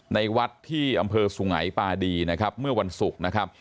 ในวัดที่อำเภอสุงัยปาดีนะครับเมื่อวันศุกร์นะครับ